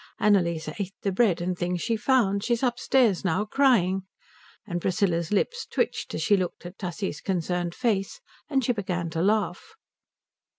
Annalise ate the bread and things she found. She's upstairs now, crying." And Priscilla's lips twitched as she looked at Tussie's concerned face, and she began to laugh.